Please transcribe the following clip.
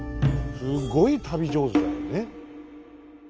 すごい旅上手だよね。